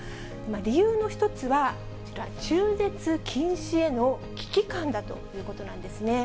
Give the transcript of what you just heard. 理由の１つは、こちら、中絶禁止への危機感だということなんですね。